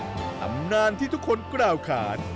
ธรรมนานที่ทุกคนกล้าวขาด